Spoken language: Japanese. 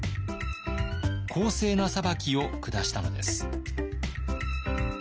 公正な裁きを下したのです。